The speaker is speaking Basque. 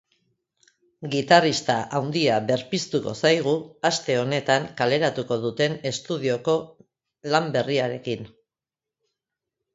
Gitarrista handia berpiztuko zaigu aste honetan kaleratuko duten estudioko lan berriarekin.